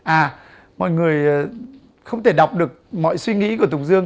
à mọi người không thể đọc được mọi suy nghĩ của tùng dương